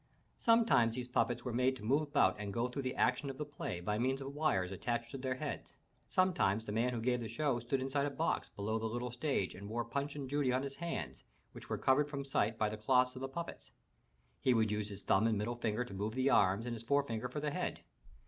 Sometimes these puppets were made to move about and go through the action of the play by means of wires attached to their heads; sometimes the man who gave the show stood inside a box bel6w the little stage and wore Punch and Judy on his hands, which were covered from sight by the clothes of the puppets. He would use his thumb and middle finger to move the arms and his forefinger for the head.